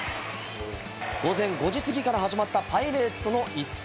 午前５時過ぎから始まったパイレーツとの一戦。